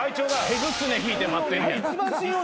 手ぐすね引いて待ってんねや。